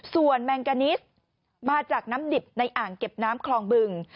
ส่วนแมงกานิสมาจากน้ำดิบในอ่างเก็บน้ำคลองบึง